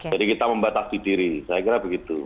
kita membatasi diri saya kira begitu